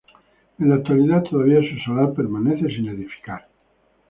En la actualidad, todavía su solar permanece sin edificar.